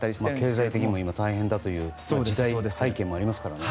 経済的にも大変だという時代背景もありますからね。